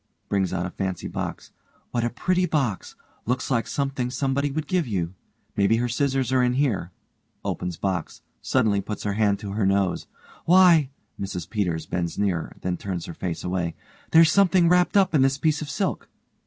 (brings out a fancy box) What a pretty box. Looks like something somebody would give you. Maybe her scissors are in here. (Opens box. Suddenly puts her hand to her nose) Why (MRS PETERS bends nearer, then turns her face away) There's something wrapped up in this piece of silk.